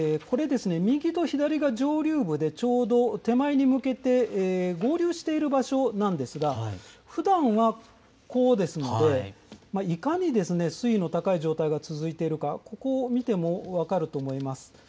右と左が上流部でちょうど手前に向けて合流している場所なんですがふだんはこうですので、いかに水位の高い状態が続いているか、ここを見ても分かると思います。